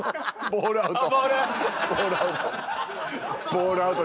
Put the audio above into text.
「ボール」アウト。